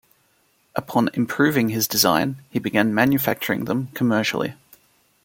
Upon improving his design he began manufacturing them commercially.